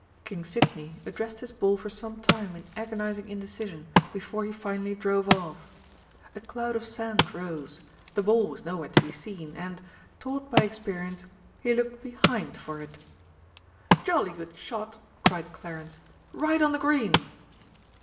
King Sidney addressed his ball for some time in agonising indecision before he finally drove off. A cloud of sand rose; the ball was nowhere to be seen, and, taught by experience, he looked behind for it. "Jolly good shot!" cried Clarence. "Right on the green!"